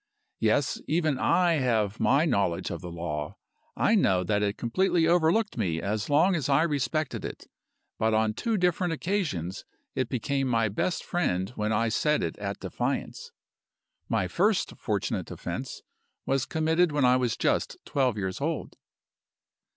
"Yes! even I have my knowledge of the law. I know that it completely overlooked me as long as I respected it. But on two different occasions it became my best friend when I set it at defiance! My first fortunate offense was committed when I was just twelve years old.